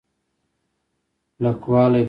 کلکوالی بد دی.